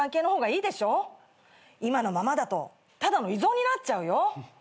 今のままだとただの依存になっちゃうよ。